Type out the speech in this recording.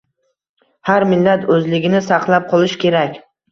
Har bir millat oʻzligini saqlab qolish kerak.